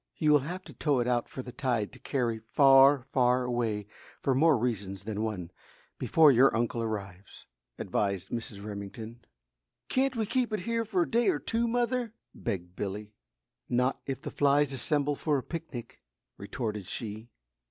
You will have to tow it out for the tide to carry far, far away for more reasons than one, before your uncle arrives," advised Mrs. Remington. "Can't we keep it here for a day or two, mother?" begged Billy. "Not if the flies assemble for a picnic," retorted she.